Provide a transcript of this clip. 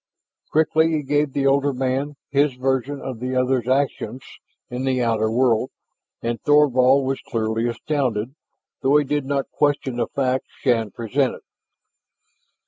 Quickly he gave the older man his version of the other's actions in the outer world and Thorvald was clearly astounded, though he did not question the facts Shann presented.